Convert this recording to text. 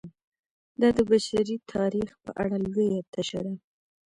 دا د بشري تاریخ په اړه لویه تشه ده.